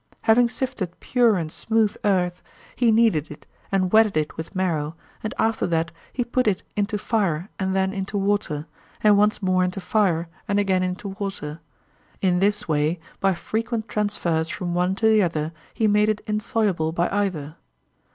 Having sifted pure and smooth earth he kneaded it and wetted it with marrow, and after that he put it into fire and then into water, and once more into fire and again into water—in this way by frequent transfers from one to the other he made it insoluble by either.